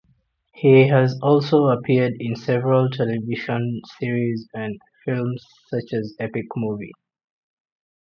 He has also appeared in several television series and films such as "Epic Movie".